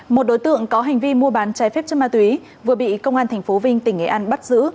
một đối tượng có hành vi mua bán trái phép chất ma túy vừa bị công an tp vinh tỉnh nghệ an bắt giữ